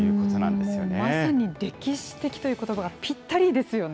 まさに歴史的ということばがぴったりですよね。